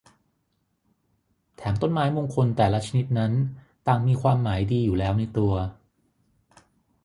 แถมต้นไม้มงคลแต่ละชนิดนั้นต่างมีความหมายดีอยู่แล้วในตัว